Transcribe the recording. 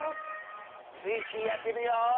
スイスイあてるよ！